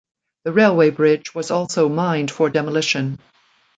The railway bridge was also mined for demolition.